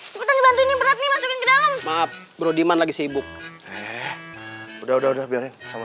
cepetan bantuin beratnya masukin ke dalam maaf bro diman lagi sibuk udah udah udah biarin sama